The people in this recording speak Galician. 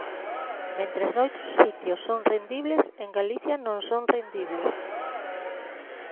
Mentres noutros sitios son rendibles, en Galicia non son rendibles.